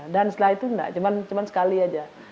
dan setelah itu enggak cuma sekali aja